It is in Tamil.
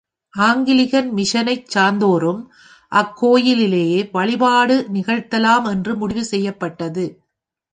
ஆங்கிலிகன் மிஷனைச் சார்ந்தோரும் அக்கோவிலிலேயே வழிபாடு நிகழ்த்தலாம் என்று முடிவு செய்யப்பட்டது.